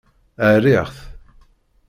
Rriɣ-t.